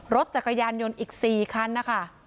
รถจักรยานยนต์อีก๔คันนะคะ